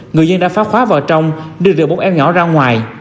người dân đã phá khóa vào trong đưa được bốn em nhỏ ra ngoài